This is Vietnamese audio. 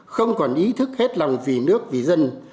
không còn ý thức hết lòng vì nước vì dân